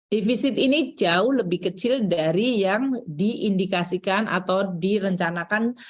defisit ini jauh lebih kecil dari yang diindikasikan atau direncanakan